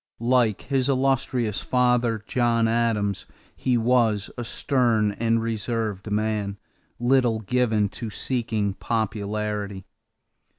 Like his illustrious father, John Adams, he was a stern and reserved man, little given to seeking popularity.